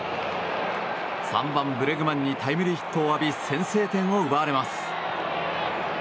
３番ブレグマンにタイムリーヒットを浴び先制点を奪われます。